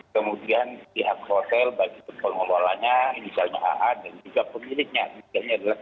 kemudian pihak hotel baik itu pengelolanya misalnya a a dan juga pemiliknya misalnya adalah c a